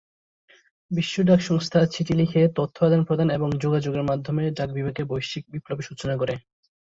বিশ্ব ডাক সংস্থা চিঠি লিখে তথ্য আদান-প্রদান এবং যোগাযোগের মাধ্যমে ডাক বিভাগে বৈশ্বিক বিপ্লবের সূচনা করে।